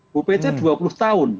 bupc dua puluh tahun